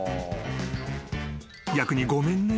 ［逆にごめんね。